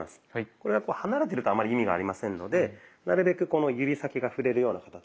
これがこう離れてるとあんまり意味がありませんのでなるべくこの指先が触れるような形で。